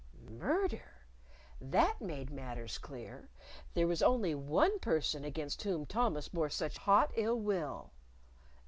Murder? That made matters clear! There was only one person against whom Thomas bore such hot ill will.